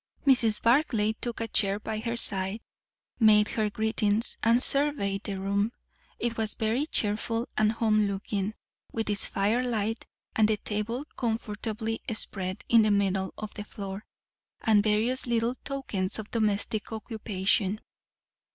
Mrs. Barclay took a chair by her side, made her greetings, and surveyed the room. It was very cheerful and home looking, with its firelight, and the table comfortably spread in the middle of the floor, and various little tokens of domestic occupation.